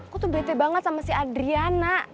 kok tuh bete banget sama si adriana